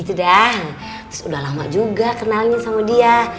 terus udah lama juga kenalnya sama dia